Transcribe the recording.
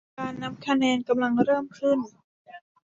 การนับคะแนนกำลังเริ่มขึ้น